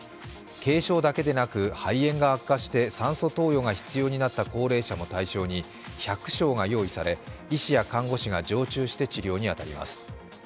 軽症だけでなく肺炎が悪化して酸素投与が必要になった高齢者も対象に１００床が用意され医師や看護師が常駐して治療に当たります。